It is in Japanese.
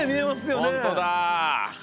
本当だ。